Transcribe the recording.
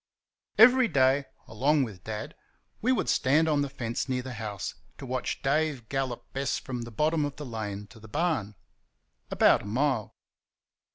Every day, along with Dad, we would stand on the fence near the house to watch Dave gallop Bess from the bottom of the lane to the barn about a mile.